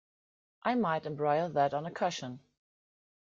I might embroider that on a cushion.